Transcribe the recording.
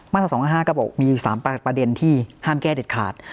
ตรา๒๕๕ก็บอกมี๓ประเด็นที่ห้ามแก้เด็ดขาด